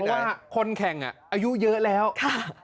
แต่ว่าคนแข่งอ่ะอายุเยอะแล้วค่ะ